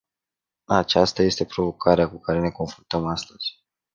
Aceasta este provocarea cu care ne confruntăm astăzi.